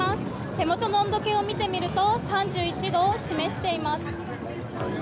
手元の温度計を見てみると３１度を示しています。